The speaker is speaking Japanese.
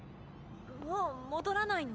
もう戻らないの？